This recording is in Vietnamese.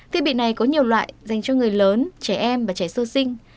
thiết bị này có nhiều loại dành cho người lớn trẻ em và trẻ sơ sinh